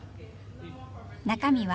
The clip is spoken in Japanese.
中身は。